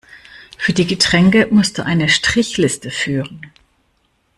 Für die Getränke muss du eine Strichliste führen.